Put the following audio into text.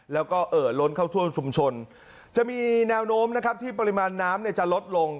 แล้วก็เอ่อล้นเข้าท่วมชุมชนจะมีแนวโน้มนะครับที่ปริมาณน้ำเนี่ยจะลดลง